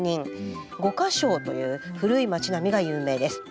五個荘という古い町並みが有名です。